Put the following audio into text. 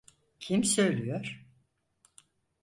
Kim söylüyor?